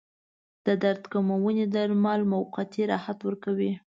د درد کموونکي درمل موقتي راحت ورکوي.